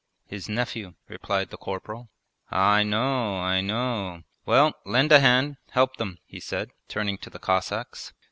'His nephew,' replied the corporal. 'I know, I know. Well, lend a hand, help them,' he said, turning to the Cossacks.